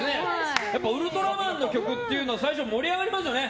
「ウルトラマン」の曲っていうのは最初、盛り上がりますよね。